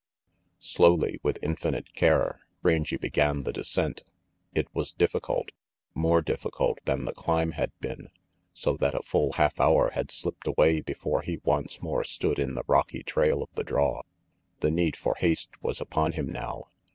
Slowly, with infinite care, Rangy began the descent. It was difficult, more difficult than the climb had been, so that a full half hour had slipped away before he once more stood in the rocky trail of the draw. The need for haste was upon him now.